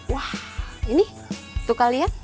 wah ini untuk kalian